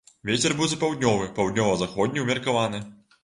Вецер будзе паўднёвы, паўднёва-заходні ўмеркаваны.